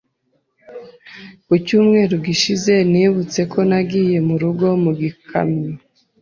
Ku cyumweru gishize, nibutse ko nagiye mu rugo mu gikamyo.